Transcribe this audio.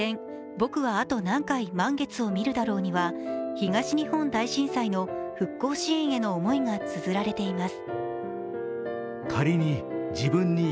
「ぼくはあと何回、満月を見るだろう」には東日本大震災の復興支援への思いがつづられています。